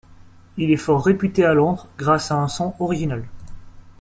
Il est fort réputé à Londres grâce à un son original.